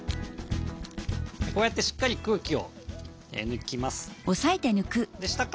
こうやってしっかり空気を抜きます。